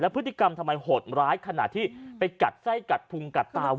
พฤติกรรมทำไมโหดร้ายขนาดที่ไปกัดไส้กัดพุงกัดตา